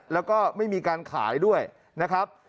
แล้วก็ไม่มีการขายด้วยนะครับ